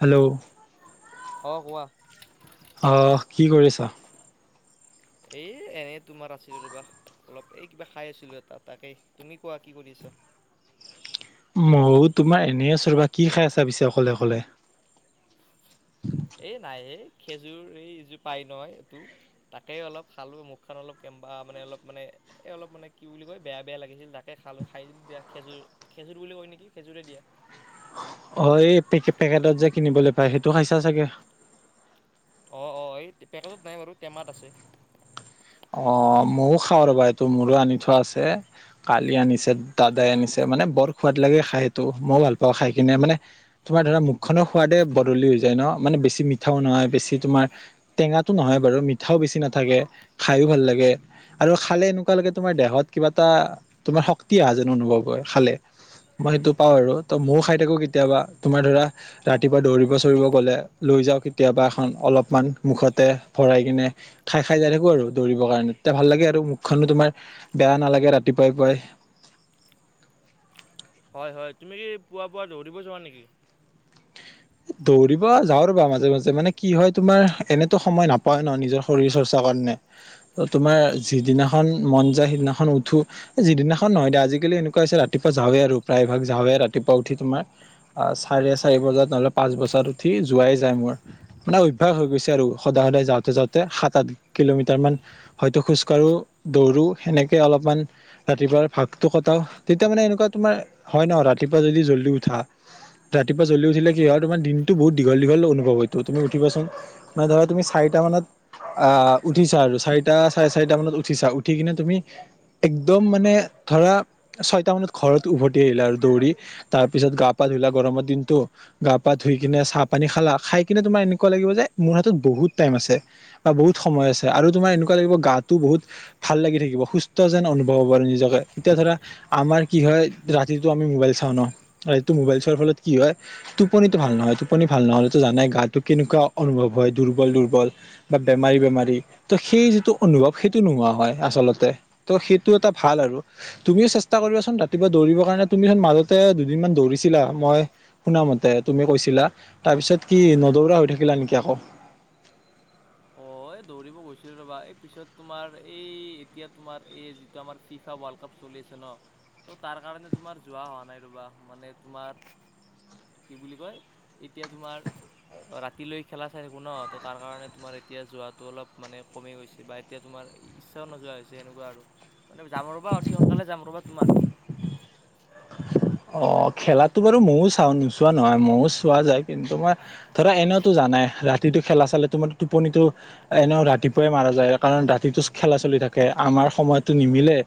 Hello. অ', কোৱা। অহ কি কৰিছা? এ এনেই তোমাৰ আছিলো ৰ'বা অলপ এই কিবা খাই আছিলো এটা তাকে। তুমি কোৱা কি কৰিছা? ময়ো তোমাৰ এনেই আছ ৰ'বা কি খাই আছা পিছে অকলে অকলে। এই নাই এই খেজুৰ এই এই যে পায় নহয় এইটো। তাকে অলপ খালো মুখখন অলপ কেমা মানে অলপ মানে এ অলপ মানে কি বুলি কয় বেয়া বেয়া লাগিছিল তাকে তাকে খাল খাই দিয়া খেজুৰ খেজুৰ বুলি কয় নেকি খেজোৰে দিয়া। অ', এইে পেকেটত যে কিনিবলৈ পায় সেইটো খাইছা চাগে? অ', অ', এই পেকেজত নাই বাৰু টেমাত আছে। অ', মইয়ো খাওঁ ৰ'বা এইটো মোৰো আনি থোৱা আছে। কালি আনিছে দাদাই আনিছে মানে বৰ সোৱাদ লাগে খাই সেইটো মই ভাল পাওঁ খাই কিনে মানে তোমাৰ ধৰা মুখনৰ সোৱাদে বদলি হৈ যায় ন মানে বেছি মিঠাও নহয় বেছি তোমাৰ টেঙা নহয় বাৰু মিঠাও বেছি নাথাকে খায়ো ভাল লাগে। আৰু খালে এনেকুৱা লৈকে তোমাৰ দেহত কিবা এটা তোমাৰ শক্তি অহা যেন অনুভৱ হয় খালে। মই সেইটো পাওঁ আৰু ত ময়ো খাই থাকো কেতিয়াবা তোমাৰ ধৰা ৰাতিপুৱা দৌৰিব চৌৰিব গ'লে লৈ যাওঁ কেতিয়াবা এখন অলপমান মুখতে ভৰাই কিনে। খাই খাই যাই থাকো আৰু দৌৰিবৰ কাৰণে এতিয়া ভাল লাগে আৰু মুখখনো তোমাৰ বেয়া নালাগে ৰাতিপুৱাই পুৱাই। হয়, হয় তুমি কি পুৱা পুৱা দৌৰিব যোৱা নেকি? দৌৰিব যাওঁ ৰবা মাজে মাজে মানে কি হয় তোমাৰ এনেতো সময় নাপায় ন নিজৰ শৰীৰ চৰ্চা কাৰণে। ত তোমাৰ যিদিনাখন মন যায় সিদিনাখন উঠো। যিদিনাখন নহয় দিয়া আজিকালি এনেকুৱা আ হৈছে ৰাতিপুৱা যাওঁৱে আৰু প্ৰায় ভাগ যাৱে ৰাতিপুৱা উঠি তোমাৰ। আহ চাৰে চাৰি বজাত নহ'লে পাঁচ বজাত উঠি যোৱাই যায় মোৰ। মানে অভ্যাস হৈ গৈছে আৰু সদায় সদায় যাওঁতে যাওঁতে সাত আঠ কিলোমিটাৰ মান। হয়তো খোজ কাঢ়ো দৌৰো সেনেকে অলপমান ৰাতিপুৱাৰ ভাগটো কটাও তেতিয়া মানে এনেকুৱা তোমাৰ হয় ন ৰাতিপুৱা যদি জল্দি উঠা। ৰাতিপুৱা জ্বলদি উঠিলে কি হয় তোমাৰ দিনটো বহুত দীঘল দীঘল অনুভৱ হয়তো তুমি উঠিবাচোন। মানে ধৰা তুমি চাৰটা মানত আহ উঠিছা আৰু চাৰিটা চাৰে চাৰিটা মানত উঠিছা। উঠি কিনে তুমি একদম মানে ধৰা ছয়টা মানত ঘৰত উভতি আহিলে আৰু দৌৰি। তাৰ পিছত গা পা ধুলা গৰমৰ দিনতটো। গা পা ধুই কিনে চাহ পানী খালা খাই কিনে তোমাৰ এনেকুৱা লাগিব যে মোৰ হাতত বহুত টাইম আছে। বা বহুত সময় আছে আৰু তোমাৰ এনেকুৱা লাগিব গাটো বহুত ভাল লাগি থাকিব। সুস্থ যেন অনুভৱ হ'ব, আৰু নিজকে এতিয়া ধৰা আমাৰ কি হয় ৰাতিটো আমি মোবাইল চাওঁ ন, ৰাতিটো মোবাইল চোৱাৰ ফলত কি হয়। টোপনিতটো ভাল নহয়, টোপনি ভাল নহ'লেতো জানাই গাটো কেনেকুৱা অনুভৱ হয় দুৰ্বল দুৰ্বল। বা বেমাৰী বেমাৰী ত' সেই যিটো অনুভৱ সেইটো নোহোৱা হয় আচলতে। ত' সেইটো এটা ভাল আৰু। তুমিও চেষ্টা কৰিবাচোন ৰাতিপুৱা দৌৰিবৰ কাৰণে, তুমি চোন মাজতে দুদিনমান দৌৰিছিলা মই শুনামতে। তুমি কৈছিলা তাৰ পিছত কি নদৌৰা হৈ থাকিলা নেকি আকৌ? হয় দৌৰিব গৈছিলো ৰবা, এই পিছত তোমাৰ এই এতিয়া তোমাৰ এই যিটো আমাৰ ফিফা ৱৰ্ল্ড কাপ চলিছে ন, ত' তাৰ কাৰণে তোমাৰ যোৱা হোৱা নাই ৰ'বা। মানে তোমাৰ কি বুলি কয়, এতিয়া তোমাৰ অ' ৰাতিলৈ খেলা চাই থাকো ন, ত' তাৰ কাৰণে তোমাৰ এতিয়া যোৱা টো অলপ মানে কমি গৈছে বা এতিয়া তোমাৰ ইচ্ছাও নোযোৱা হৈছে এনেকুৱা আৰু। মানে যাম ৰ'বা অতি সোনকালে যাম ৰ'বা। তোমাৰ অ' খেলাতো বাৰু ময়ো চাওঁ নোচোৱা নহয় ময়ো চোৱা যায়। কিন্তু মই ধৰা এনেওতো জানাই ৰাতিটো খেলা চালে তোমাৰ টোপনিটো এনেও ৰাতিপুৱাই মাৰা যায়, কাৰণ ৰাতিটো খেলা চলি থাকে আমাৰ সময়তো নিমিলে।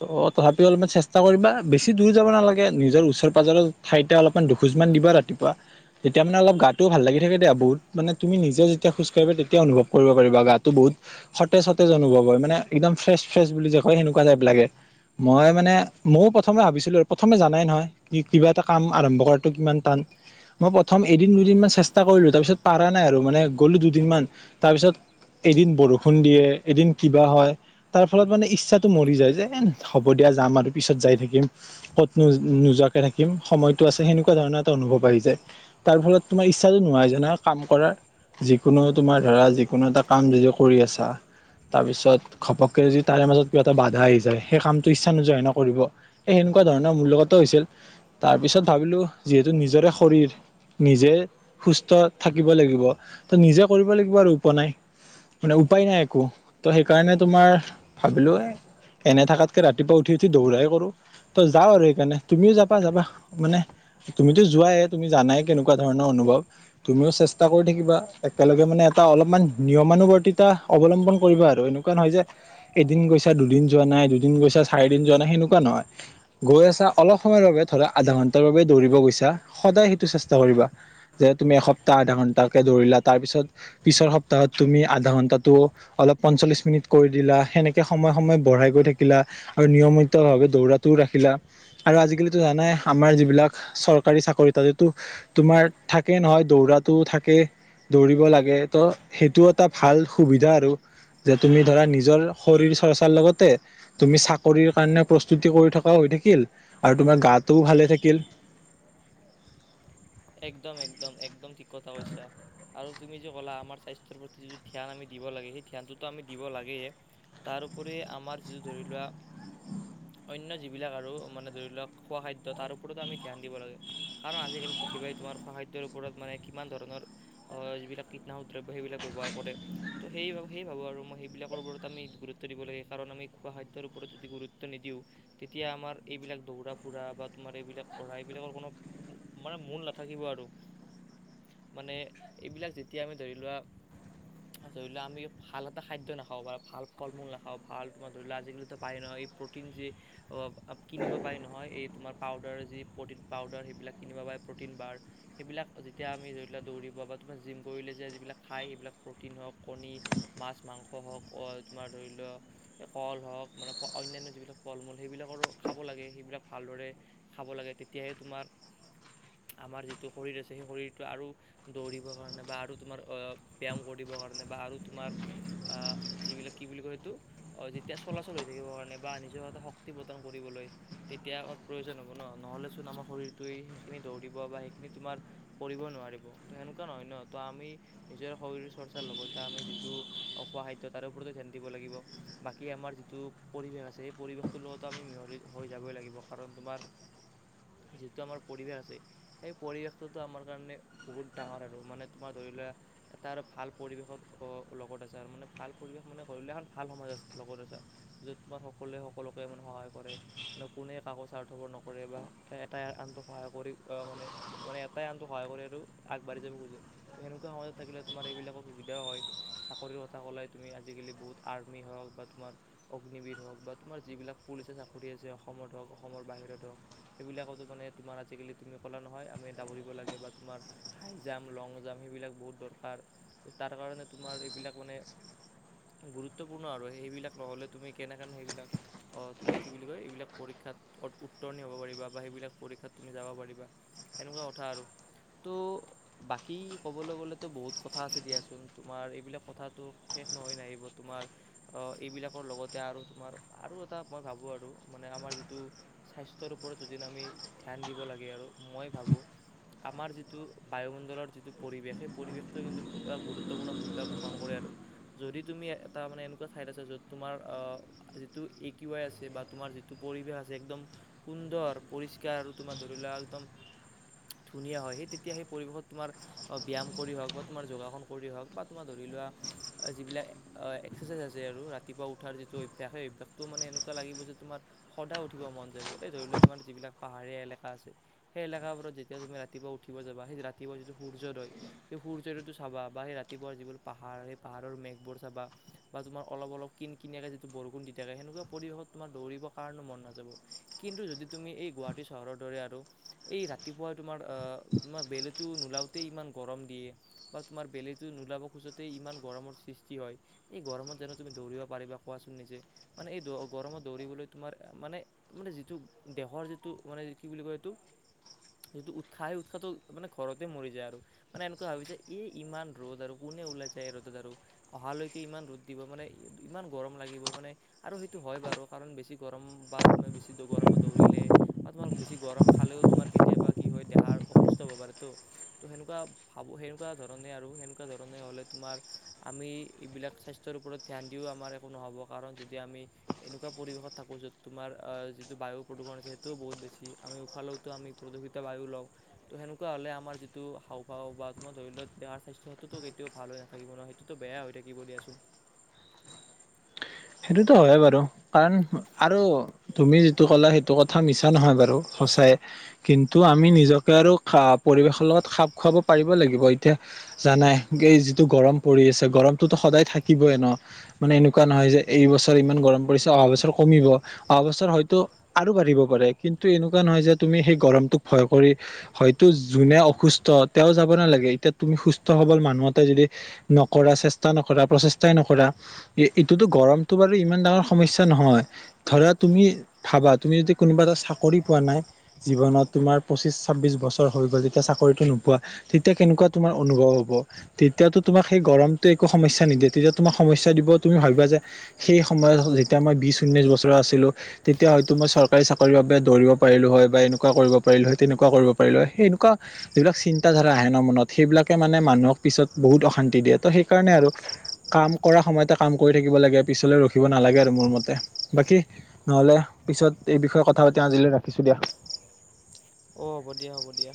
ত' তথাপি অলপমান চেষ্টা কৰিবা বেছি দূৰি যাব নালাগে। নিজৰ ওচৰ পাজৰ ঠাইতে অলপমান দুখোজ মান দিবা ৰাতিপুৱা। তেতিয়া মানে অলপ গাটোও ভাল লাগি থাকে দিয়া বহুত, মানে তুমি নিজে যেতিয়া খোজকাঢ়িবা তেতিয়া অনুভৱ কৰিব পাৰিবা গাটো বহুত সতেজ সতেজ অনুভৱ হয় মানে একদম ফ্ৰেচ ফ্ৰেচ বুলি যে কয় সেনেকুৱা টাইপ লাগে। মই মানে ময়ো প্ৰথমে ভাবিছিলো প্ৰথমে জানাই নহয় কি কিবা এটা কাম আৰম্ভ কৰাটো কিমান টান। মই প্ৰথম এদিন দুদিনমান চেষ্টা কৰিলো তাৰপিছত পাৰা নাই আৰু মানে গ'লো দুদিনমান তাৰপিছত এদিন বৰষুণ দিয়ে এদিন কিবা হয় তাৰ ফলত মানে ইচ্ছাটো মৰি যায়, যে এ হ'ব দিয়া যাম আৰু পিছত যাই থাকিম। ক'তনো নোযোৱাকে থাকিম সময়তটো আছে, সেনেকুৱা ধৰণৰ এটা অনুভৱ আহি যায়। তাৰ ফলত তোমাৰ ইচ্ছাটো নোহোৱা হৈ যায় কাম কৰাৰ। যিকোনো তোমাৰ ধৰা যিকোনো এটা কাম যদি কৰি আছা তাৰপিছত ঘপকে যদি তাৰে মাজত কিবা এটা বাধা আহি যায়, সেই কামটো ইচ্ছা নোযোৱা ন কৰিব। এ সেনেকুৱা ধৰণৰ মোৰলগত হৈছিল, তাৰ পিছত ভাবিলো যিহেতু নিজৰে শৰীৰ। নিজে সুস্থ থাকিব লাগিব, ত' নিজে কৰিব লাগিব আৰু উপনাই। মানে উপায় নাই একো। ত সেইকাৰণে তোমাৰ ভাবিলো এনে থাকাতকে ৰাতিপুৱা উঠি উঠি দৌৰাই কৰো। ত' যাওঁ আৰু সেইকাৰণে তুমিওঁ যাবা যাবা। মানে তুমিতো যোৱাই তুমি জানাই কেনেকুৱা ধৰণৰ অনুভৱ। তুমিও চেষ্টা কৰি থাকিবা একেলগে মানে এটা অলপমান নিয়মানুবৰ্তিতা অৱলম্বন কৰিব আৰু, এনেকুৱা নহয় যে এদিন গৈছা দুদিন যোৱা নাই দুদিন গৈছা চাৰিদিন যোৱা নাই সেনেকুৱা নহয়। গৈ আছা অলপ সময়ৰ বাবে ধৰা আধা ঘণ্টাৰ বাবে দৌৰিব গৈছা সদায় সেইটো চেষ্টা কৰিবা। যে তুমি এসপ্তাহ আধা ঘন্টাকে দৌৰিলা তাৰ পিছত পিছৰ সপ্তাহত তুমি আধা ঘন্টাটো অলপ পঞ্চল্লিশ মিনিট কৰি দিলা, সেনেকে সময়ে সময়ে বঢ়াই গৈ থাকিলা আৰু নিয়মিত ভাবে দৌৰাটোও ৰাখ খিলা, আৰু আজিকালিতো জানাই আমাৰ যিবিলাক চৰকাৰী চাকৰি তাতো তোমাৰ থাকে নহয় দৌৰাতো থাকে। দৌৰিব লাগে তো সেইটো এটা ভাল সুবিধা আৰু। যে তুমি ধৰা নিজৰ শৰীৰ চৰ্চাৰ লগতে তুমি চাকৰি কাৰনে প্ৰস্ততি কৰি থ কা হৈ থাকিল আৰু তোমাৰ গাটোও ভালে থাকিল। একদম একদম একদম ঠিক কথা কৈছা। আৰু তুমি যে ক'লা আমাৰ স্বাস্থ্যৰ প্ৰতি যিটো ধ্যান আমি দিব লাগে, সেই ধ্যানটোতো আমি দিব লাগেই তাৰপৰি আমাৰ যিটো ধৰি লোৱা অন্য যিবিলাক আৰু মানে ধৰি লওঁক খোৱা খাদ্য তাৰ ওপৰতো আমি ধ্যান দিব লাগে। কাৰণ আজিকালি দেখিবাই তোমাৰ খাদ্যৰ ওপৰত মানে কিমান ধৰণৰ অ' যিবিলাক কীটনাশক দ্ৰব্য সেইবিলাক ব্যৱহাৰ কৰে। ত' সেয়ে সেয়েই ভাবো আৰু মই সেইবিলাকৰ ওপৰত আমি গুৰুত্ব দিব লাগে কাৰণ আমি খোৱা খাদ্যৰ ওপৰত যদি গুৰুত গুৰুত্ব নিদিওঁ তেতিয়া আমাৰ এইবিলাক দৌৰা ফুৰা বা তোমাৰ এইবিলাক পঢ়া এইবিলাকৰ কোনো [unintelligible] মূল নাথাকিব আৰু। মানে এইবিলাক যেতিয়া আমি ধৰি লোৱা ধৰি লওঁ আমি ভাল এটা খাদ্য নাখাওঁ বা ভাল ফল মূল নাখাওঁ ভাল তোমাৰ ধৰি লোৱা আজিকালিতো পায়েই ন' এই প্ৰ'টিন যি অ' এ, কিনিব পাৰি নহয় এই তোমাৰ পাউদাৰ যি প্ৰ'টিন পাউদাৰ সেইবিলাক কিনিব পাৰে প্ৰ'টিন বাৰ। সেইবিলাক যেতিয়া আমি ধৰি লোৱা দৌৰিব বা তোমাৰ জিম কৰিলে যে যিবিলাক খায় এইবিলাক প্ৰ'টিন হওঁক। কণী, মাছ, মাংস হওঁক তোমাৰ ধৰি লোৱা কল হওঁক মানে অন্যান্য যিবিলাক ফল মূল সেইবিলাকৰো খাব লাগে সেইবিলাক ভালদৰে খাব লাগে তেতিয়াহে তোমাৰ, আমাৰ যিটো শৰীৰ আছে সেই শৰীৰটো আৰু দৌৰিবৰ কাৰণে বা আৰু তোমাৰ অ' ব্যায়াম কৰিবৰ কাৰণে বা আৰু তোমাৰ অ' যিবিলাক কি বুলি কয় সেইটো যেতিয়া চলাচল হৈ থাকিবৰ কাৰণে বা নিজৰ এটা শক্তি প্ৰদান কৰিবলৈ তেতিয়া আমাৰ প্ৰয়োজন হ'ব ন' নহ'লে চোন আমাৰ শৰীৰটোৱে সেইখিনি দৌৰিব বা সেইখিনি তোমাৰ কৰিবই নোৱাৰিব ত' সেনেকুৱা নহয় ন' ত' আমি নিজৰ শৰীৰ চৰ্চাৰ লগতে আমি যিটো অ' খোৱা খাদ্য তাৰ ওপৰত ধ্যান দিব লাগিব। বাকী আমাৰ যিটো পৰিৱেশ আছে সেই পৰিৱেশটোৰ লগতো আমি মিহলি হৈ যাবই লাগিব কাৰণ তোমাৰ যিটো আমাৰ পৰিৱেশ আছে। সেই পৰিৱেশটোতো আমাৰ কাৰণে বহুত ডাঙৰ আৰু মানে তোমাৰ ধৰি লোৱা এটা আৰু ভাল পৰিৱেশৰ ল-লগত আছে আৰু মানে ভাল পৰিৱেশ মানে ঘৰিলে এখন ভাল সমাজ আছে লগত আছা। য'ত তোমাৰ সকলোৱে সকলোকে ইমান সহায় কৰে। মানে কোনে কাকো স্বাৰ্থপৰ নকৰে বা এটাই আনটো সহায় কৰি মানে মানে এটাই আনটো সহায় কৰিয়েটো আগবাঢ়ি যাব খোজে। তুমি সেনেকুৱা সমাজত থাকিলে তোমাৰ এইবিলাকৰ সুবিধাও হয়। চাকৰিৰ কথা ক'লে তুমি আজিকালি বহুত আৰ্মি হওঁক বা তোমাৰ অগ্নিবিৰ হওঁক বা তোমাৰ যিবিলাক পুলিচৰ চাকৰি আছে অসমত হওঁক অসমৰ বাহিৰত হওঁক। সেইবিলাকতো মানে তোমাৰ আজিকালি তুমি ক'লা নহয় আমি দাৱৰিব লাগে বা তোমাৰ হাই জাম্প, লং জাম্প সেইবিলাক বহুত দৰকাৰ, তাৰ কাৰণে তোমাৰ এইবিলাক মানে গুৰুত্বপূৰ্ণ আৰু সেইবিলাক নহ'লে তুমি কেনেকেনো সেইবিলাক অ' তুমি কি বুলি কয় এইবিলাক পৰীক্ষাত উত্তৰনি হ'ব পাৰিবা বা সেইবিলাক পৰীক্ষাত তুমি যাব পাৰিবা, সেনেকুৱা কথা আৰু। ত' বাকী ক'বলৈ গ'লেতো বহুত কথা আছে দিয়াচোন তোমাৰ এইবিলাক কথাটো শেষ নহয় নাহিব তোমাৰ অ' এইবিলাকৰ লগতে আৰু তোমাৰ আৰু এটা মই ভাবোঁ আৰু মানে আমাৰ যিটো স্বাস্থ্যৰ ওপৰত যদি আমি ধ্যান দিব লাগে আৰু মই ভাবোঁ। আমাৰ যিটো বায়ুমণ্ডলৰ যিটো পৰিৱেশ সেই পৰিৱেশটো কিন্তু এটা গুৰুত্বপূৰ্ণ ভূমিকা গ্ৰহণ কৰে আৰু। যদি তুমি এটা মানে এনেকুৱা ঠাইত আছা য'ত তোমাৰ অহ, যিটো এ কিৱ আই আছে বা তোমাৰ যিটো পৰিৱেশ আছে একদম সুন্দৰ পৰিষ্কাৰ আৰু তোমাৰ ধৰি লোৱা একদম ধুনীয়া হয় সেই তেতিয়া সেই পৰিৱেশত তোমাৰ অ' ব্যায়াম কৰি হওঁক বা তোমাৰ যোগাসন কৰি হওঁক বা তোমাৰ ধৰি লোৱা যিবিলাক অ' এক্সাৰচাইজ আছে আৰু ৰাতিপুৱা উ উঠাৰ যিটো অভ্যাস সেই অভ্যাসটো মানে এনেকু লাগিব যে তোমাৰ সদায় উঠিব মন যাব, এই ধৰি লোৱা তোমাৰ যিবিলাক পাহাৰীয়া এলেকা আছে। সেই এলেকাবোৰত যেতিয়া তুমি ৰাতিপুৱা উঠিব যাবা সেই ৰাতিপুৱাৰ যিটো সূৰ্যোদয়। সেই সূৰ্যোদয়টো চাবা বা সেই ৰাতিপুৱা যিবোৰ পাহাৰ সেই পাহাৰৰ মেঘবোৰ চাবা। বা তোমাৰ অলপ অলপ কিন কিনাকে যিটো বৰষুণ দি থাকে, সেনেকুৱা পৰিৱেশত তোমাৰ দৌৰিব কাৰো মন নাযাব। কিন্তু যদি তুমি এই গুৱাহাটী চহৰৰ দৰে আৰু এই ৰাতিপুৱা তোমাৰ, তোমাৰ বেলিটো নোলাওঁতেই ইমান গৰম দিয়ে। বা তোমাৰ বেলিটো নোলাব খোজোতে ইমান গৰমৰ সৃষ্টি হয়, এই গৰমত যানো তুমি দৌৰিব পাৰিবা কোৱাচোন নিজে, মানে এই দৌ গৰমত দৌৰিবলৈ তোমাৰ মানে তাৰ মানে যিটো, দেহৰ যিটো মানে কি বুলি কয় এইটো যিটো উৎসাহ আহে, উৎসাহটো মানে ঘৰতে মৰি যায় আৰু। মানে এনেকুৱা ভাবিছে, এই ইমান ৰ'দ আৰু কোনে ওলাই যায় এই ৰ'দত আৰু। অহালৈকে ইমান ৰ'দ দিব, মানে ইমান গৰম লাগিব মানে আৰু সেইটো হয় বাৰু, কাৰণ বেছি গৰম বাত বেছি গৰমত দৌৰিলে বা তোমাৰ বেছি গৰম খালেও তোমাৰ, কেতিয়াবা কি হয় দেহাৰ অসুস্থ হব পাৰেতো। ত' সেনেকুৱা ভাবো, সেনেকুৱা ধৰণে আৰু সেনেকুৱা ধৰণে হলে তোমাৰ আমি এইবিলাক স্বাস্থ্যৰ ওপৰত ধ্যান দিও, আমাৰ একো নহ'ব কাৰণ যদি আমি এনেকুৱা পৰিৱেশত থাকো, য'ত তোমাৰ আ যিটো বায়ু প্ৰদূষণ আছে সেইটোও বহুত বেছি আমি উশাহ লৈ আমি প্ৰদূষিত বায়ু লওঁ। ত' সেনেকুৱা হলে আমাৰ যিটো হাওঁফাওঁ বা ত' ধৰি লোৱা দেহাৰ স্বাস্থ্য ক্ষেত্ৰতো কেতিয়াও ভাল হৈ নাথাকিব নহয়। তো বেয়া হৈ থাকিব দিয়াচোন। সেইটোতো হয়ে বাৰু, কাৰণ আৰু তুমি যিটো কলা এইটো কথা মিছা নহয় বাৰু সঁচাইয়ে, কিন্তু আমি নিজকে আৰু পৰিৱেশৰ লগত খাপ খুৱাব পাৰিব লাগিব, এতিয়া জানাই এই যিটো গৰম পৰি আছে গৰম টোতো সদায় থাকিবইে নহ, মানে এনেকুৱা নহয় যে এইবছৰ ইমান গৰম পৰিছে অহা বছৰ কমিব? অহা বছৰ হয়তো আৰু বাঢ়িব পাৰে, কিন্তু এনেকুৱা নহয় যে তুমি সেই গৰমটোক ভয় কৰি হয়তো যোনে অসুস্থ তেওঁ যাব নালাগে, এতিয়া তুমি সুস্থ সবল মানুহ এটাই যদি নকৰা চেষ্টা নকৰা, প্ৰচেষ্টাই নকৰা, ইটোতো গৰম টো বাৰু ইমান ডাঙৰ সমস্যা নহয়। ধৰা তুমি ভাবা, তুমি যদি কোনোবা এটা চাকৰি পোৱা নাই জীৱনত, তোমাৰ পঁচিশ-ছাব্বিশ বছৰ হৈ গ'ল যেতিয়া চাকৰিটো নোপোৱা তেতিয়া কেনেকুৱা তোমাৰ অনুভৱ হ'ব? তেতিয়াতো তোমাক সেই গৰমটো একো সমস্যা নিদিয়ে, তেতিয়া তোমাক সমস্যা দিব তুমি ভাবিবা যে সেই সময়ত যেতিয়া মই বিশ-ঊনৈছ বছৰ আছিলোঁ তেতিয়া হয়তো মই চৰকাৰী চাকৰিৰ বাবে দৌৰিব পাৰিলো হয় বা এনেকুৱা কৰিব পাৰিলো হয়, তেনেকুৱা কৰিব পাৰিলো হয়, সেই এনেকুৱা যিবিলাক চিন্তা ধাৰা আহে নহ মনত, সেইবিলাকে মানে মানুহক পিছত বহুত অশান্তি দিয়ে ত' সেইকাৰণে আৰু কাম কৰা সময়তে কাম কৰি থাকিব লাগে, পিছলৈ ৰখিব নালাগে আৰু মোৰ মতে বাকী নহলে পিছত এই বিষয়ে কথা পাতিম, আজিলৈ ৰাখিছো দিয়া। অ', হ'ব দিয়া, হ'ব দিয়া।